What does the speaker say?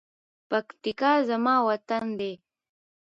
پکتیکا زما وطن ده.